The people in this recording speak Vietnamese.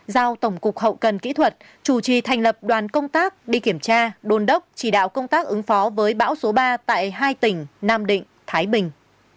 giao tổng cục hậu cần kỹ thuật chủ trì thành lập đoàn công tác đi kiểm tra đôn đốc chỉ đạo công tác ứng phó với bão số ba tại hai tỉnh nam định thái bình